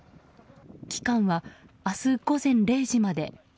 期間は、明日午前０時まで。